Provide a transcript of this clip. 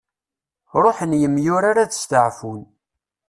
Ruḥen yemyurar ad steɛfun.